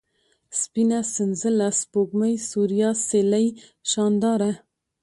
سپينه ، سنځله ، سپوږمۍ ، سوریا ، سېلۍ ، شانداره